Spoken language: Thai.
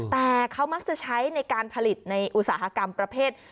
แต่เขามักจะใช้ในการผลิตในอุตสาหกรรมประเภท